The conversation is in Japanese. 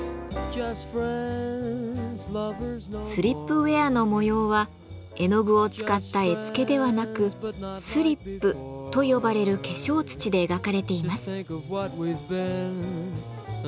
スリップウェアの模様は絵の具を使った絵付けではなく「スリップ」と呼ばれる化粧土で描かれています。